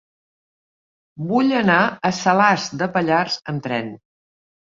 Vull anar a Salàs de Pallars amb tren.